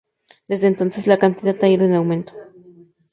Desde entonces, la cantidad ha ido en aumento.